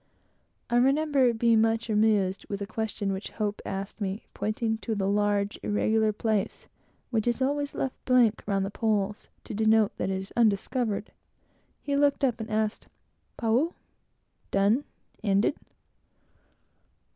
I remember being much amused with a question which Hope asked me. Pointing to the large irregular place which is always left blank round the poles, to denote that it is undiscovered, he looked up and asked. "Pau?" (Done? ended?)